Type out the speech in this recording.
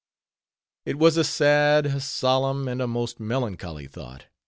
It was a sad, a solemn, and a most melancholy thought.